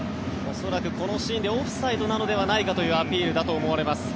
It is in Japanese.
恐らくこのシーンでオフサイドなのではないかというアピールだと思います。